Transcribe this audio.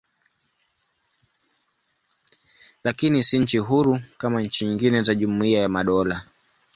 Lakini si nchi huru kama nchi nyingine za Jumuiya ya Madola.